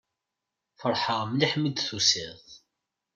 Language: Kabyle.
Feṛḥeɣ mliḥ mi d-tusiḍ.